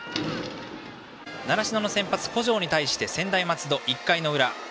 習志野の先発、小城に対して専大松戸、１回の裏。